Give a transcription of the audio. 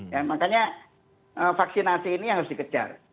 ya makanya vaksinasi ini yang harus dikejar